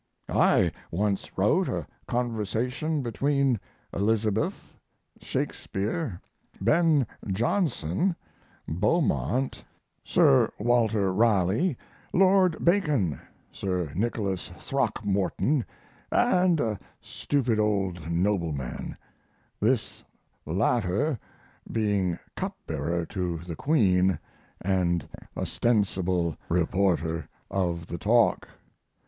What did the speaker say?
I once wrote a conversation between Elizabeth, Shakespeare, Ben Jonson, Beaumont, Sir W. Raleigh, Lord Bacon, Sir Nicholas Throckmorton, and a stupid old nobleman this latter being cup bearer to the queen and ostensible reporter of the talk.